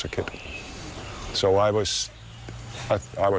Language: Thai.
ฉันกำลังกลัว